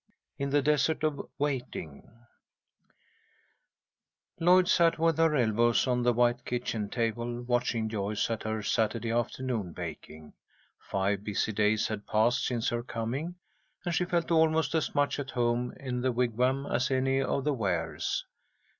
IN THE DESERT OF WAITING LLOYD sat with her elbows on the white kitchen table, watching Joyce at her Saturday afternoon baking. Five busy days had passed since her coming, and she felt almost as much at home in the Wigwam as any of the Wares.